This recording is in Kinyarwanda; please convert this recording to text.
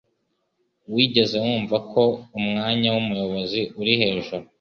Wigeze wumva ko umwanya wumuyobozi uri hejuru?